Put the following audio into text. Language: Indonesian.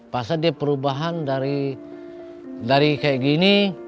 masa dia perubahan dari kayak gini